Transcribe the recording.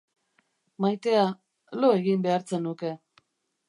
Maitea, lo egin behar zenuke.